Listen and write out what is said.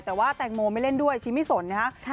แต่ว่าแตงโมไม่เล่นด้วยชี้ไม่สนนะครับ